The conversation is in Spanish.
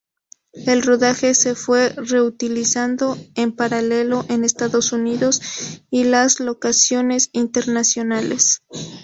El rodaje se fue realizando en paralelo en Estados Unidos y las locaciones internacionales.